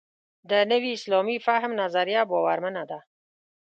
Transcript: د نوي اسلامي فهم نظریه باورمنه ده.